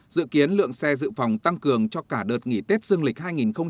dự kiến lượng xe dự phòng tăng cường cho cả đợt nghỉ tết dương lịch hai nghìn hai mươi